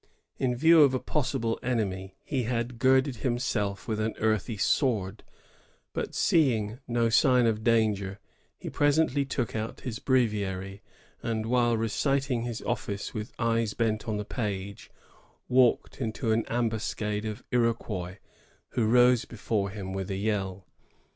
In view of a possible enemy, he had girded himself with an earthly sword; but seeing no sign of danger, he presently took out hiB breviary, and, while reciting his office with eyes bent on the page, walked into an ambuscade of Iroquois, who rose before him with a yell.